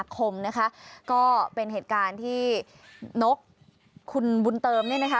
คมนะคะก็เป็นเหตุการณ์ที่นกคุณบุญเติมเนี่ยนะคะ